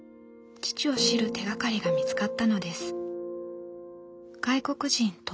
父を知る手がかりが見つかったのです。